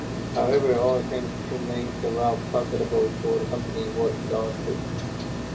However, all attempts to make the route profitable for the company were exhausted.